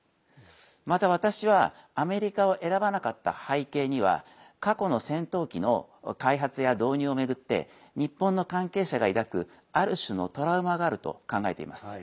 また私はアメリカを選ばなかった背景には過去の戦闘機の開発や導入を巡って日本の関係者が抱く、ある種のトラウマがあると考えています。